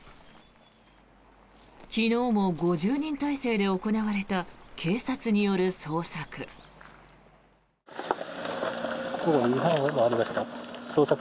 昨日も５０人態勢で行われた警察による捜索。